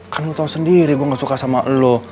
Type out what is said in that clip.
kan lo tau sendiri gue gak suka sama lo